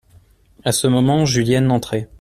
A ce moment, Julienne entrait.